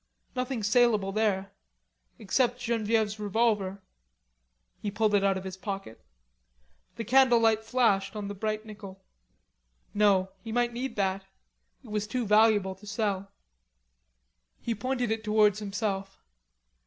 Nothing saleable there. Except Genevieve's revolver. He pulled it out of his pocket. The candlelight flashed on the bright nickel. No, he might need that; it was too valuable to sell. He pointed it towards himself.